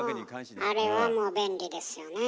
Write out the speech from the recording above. あれはもう便利ですよね。